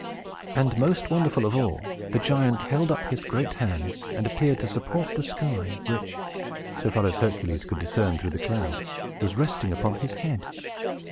And, most wonderful of all, the giant held up his great hands and appeared to support the sky, which, so far as Hercules could discern through the clouds, was resting upon his head!